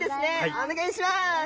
お願いします。